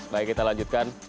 baik kita lanjutkan